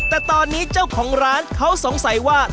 แต่ตอนนี้เจ้าของร้านเขาสงสัยว่า